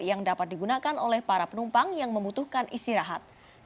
yang dapat digunakan oleh para penumpang yang membutuhkan istirahat